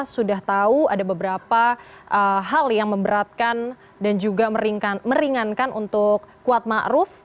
sudah tahu ada beberapa hal yang memberatkan dan juga meringankan untuk kuat ma ruf